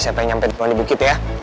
kenapa dia terserah sama mereka